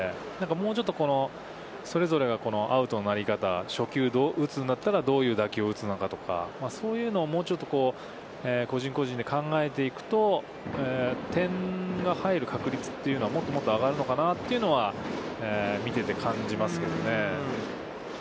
もうちょっと、それぞれがアウトになり方、初球どういう打球を打つのかとか、そういうのをもうちょっと個人個人で考えていくと、点が入る確率というのは、もっともっと上がるのかなというのは見てて感じますけどね。